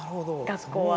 学校は。